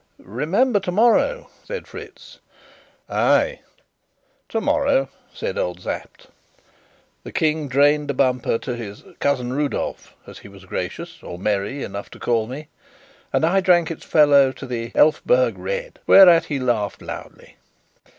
"Remember tomorrow!" said Fritz. "Ay tomorrow!" said old Sapt. The King drained a bumper to his "Cousin Rudolf," as he was gracious or merry enough to call me; and I drank its fellow to the "Elphberg Red," whereat he laughed loudly.